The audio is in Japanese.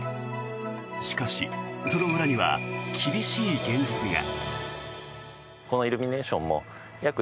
しかし、その裏には厳しい現実が。